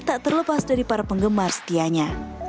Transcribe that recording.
tak terlepas dari para penggemar setianya